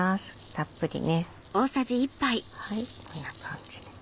たっぷりねはいこんな感じで。